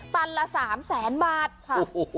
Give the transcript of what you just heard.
ตันละ๓๐๐๐๐๐บาทค่ะ